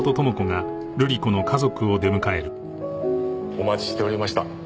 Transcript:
お待ちしておりました。